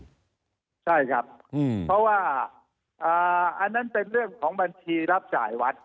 ใช่ครับเพราะว่าอันนั้นเป็นเรื่องของบัญชีรับจ่ายวัด